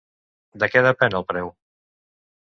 De què depèn el preu?